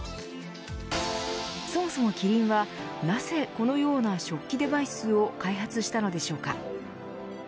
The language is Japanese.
そもそもキリンはなぜ、このような食器デバイスを開発したのでしょうか。